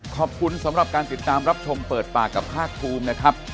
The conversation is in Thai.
ขอบคุณสำหรับการติดตามรับชมเปิดปากกับภาคภูมินะครับ